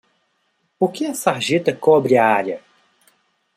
Por que a sarjeta cobre a área?